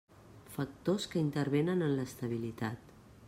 Factors que intervenen en l'estabilitat.